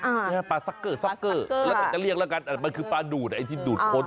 อ่าปลาซ็อกเกอร์ซ็อกเกอร์แล้วมันจะเลี้ยงแล้วกันมันคือปลาดูดไอ้ที่ดูดโคตร